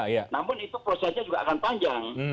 namun itu prosesnya juga akan panjang